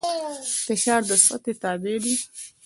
فشار د سطحې تابع دی.